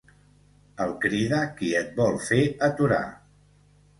El crida qui et vol fer aturar.